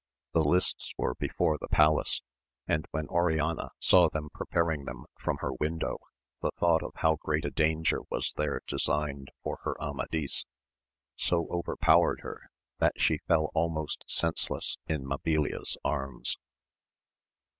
The lists were before the palace, and when Oriana saw them preparing them from her window, the thought of how great a danger was there designed for her Amadis so overpowered her, that she fell almost senseless in Mabilia's arms.